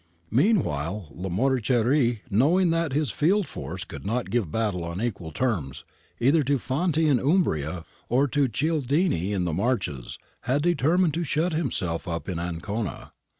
Meanwhile Lamoriciere, knowing that his field force could not give battle on equal terms either to Fanti in Umbria or to Cialdini in the Marches, had determined to shut himself up in Ancona.